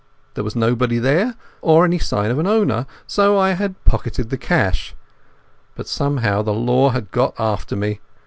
There was nobody there or any sign of an owner, so I had pocketed the cash. But somehow the law had got after me.